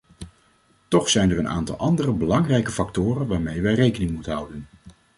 Toch zijn er een aantal andere belangrijke factoren waarmee wij rekening moeten houden.